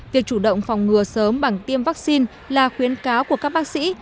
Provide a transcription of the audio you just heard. việc chủ động phòng ngừa sớm bằng tiêm vaccine là khuyến cáo của các bác sĩ